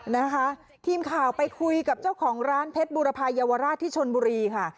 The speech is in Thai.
นะคะทีมข่าวไปคุยกับเจ้าของร้านเพชรบูรพายาวราชที่ชนบุรีค่ะ